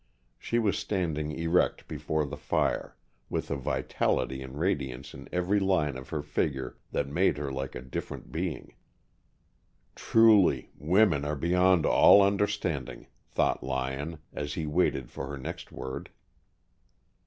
She was standing erect before the fire, with a vitality and radiance in every line of her figure that made her like a different being. "Truly, women are beyond all understanding," thought Lyon, as he waited for her next word.